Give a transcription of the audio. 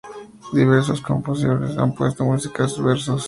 Diversos compositores han puesto música a sus versos.